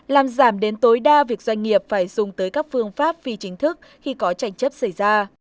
làm giảm đến tối đa việc doanh nghiệp phải dùng tới các phương pháp phi chính thức khi có tranh chấp xảy ra